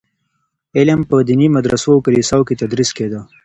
علم په ديني مدرسو او کليساوو کي تدريس کيده.